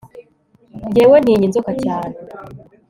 njyewe ntinya inzoka cyane